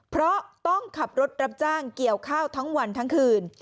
เพราะต้องขับรถรับจ้างเกี่ยวข้าวทั้งวันทั้งคืน